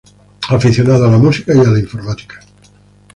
Aficionado a la música y a la informática.